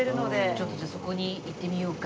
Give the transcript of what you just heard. ちょっとじゃあそこに行ってみようか。